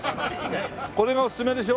これがおすすめでしょ？